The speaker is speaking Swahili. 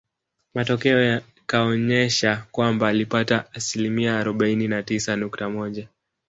Matokeo yakaonesha kwamba alipata asilimia arobaini na tisa nukta moja